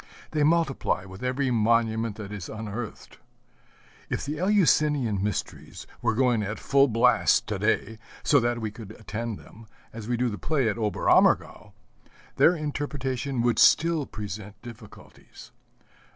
They multiply with every monument that is unearthed. If the Eleusinian mysteries were going at full blast to day, so that we could attend them, as we do the play at Oberammergau, their interpretation would still present difficulties.